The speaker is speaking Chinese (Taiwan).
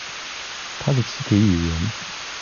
他的肢體語言